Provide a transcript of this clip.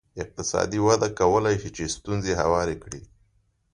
اقتصادي وده کولای شي چې ستونزې هوارې کړي.